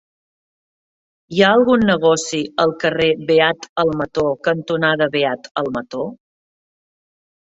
Hi ha algun negoci al carrer Beat Almató cantonada Beat Almató?